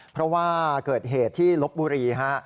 เพราะว่าเกิดเหตุที่ลบบุรีฮะ